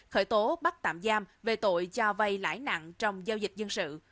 khởi tố bắt tạm giam về tội cho vay lãi nặng trong giao dịch dân sự